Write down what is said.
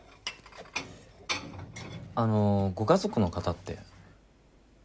あのご家族の方って？